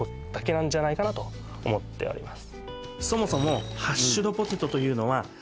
なんじゃないかなと思っております